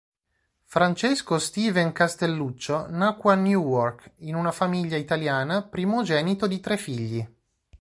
Francesco Stephen Castelluccio nacque a Newark in una famiglia italiana, primogenito di tre figli.